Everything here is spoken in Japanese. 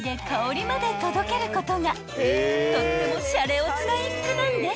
［とってもシャレオツなインクなんです］